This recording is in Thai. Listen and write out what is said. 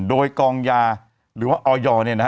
โดยกองยาหรือว่าออยเนี่ยนะฮะ